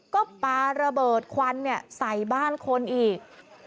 ก็ปลาระเบิดควันใส่บ้านคนอีก